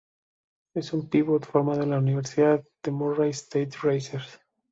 Es un pívot formado en la universidad de Murray State Racers.